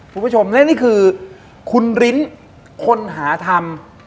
คุณผู้ชมและนี่คือคุณลิ้นคนหาทำ